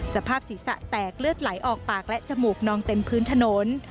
สภาพศีรษะแตกเลือดไหลออกปากและจมูกนองเต็มพื้นถนน